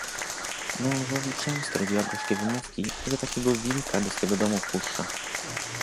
"Mężowi często robiła gorzkie wymówki, że takiego wilka do swego domu wpuszcza."